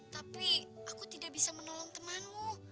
tapi aku tidak bisa menolong temanmu